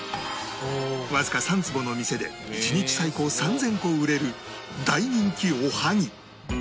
わずか３坪の店で１日最高３０００個売れる大人気おはぎ